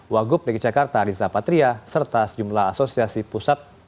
wagup dg jakarta rizapatria serta sejumlah asosiasi pusat perbelanjaan